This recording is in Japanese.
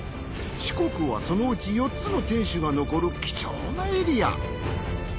四国はそのうち４つの天守が残る貴重なエリア。